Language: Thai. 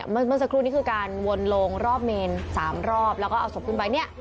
เมื่อสักครู่นี้คือการวนโลงรอบเมน๓รอบแล้วก็เอาศพขึ้นไปเนี่ย